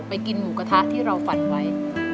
กินหมูกระทะที่เราฝันไว้